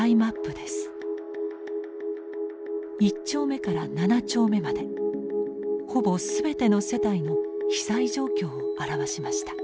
１丁目から７丁目までほぼ全ての世帯の被災状況を表しました。